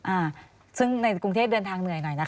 อ่าซึ่งในกรุงเทพเดินทางเหนื่อยหน่อยนะคะ